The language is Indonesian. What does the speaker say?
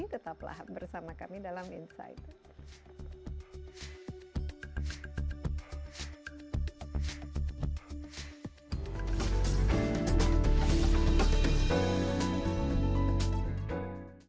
tetaplah bersama kami dalam insight